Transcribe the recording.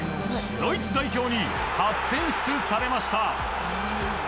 ドイツ代表に初選出されました。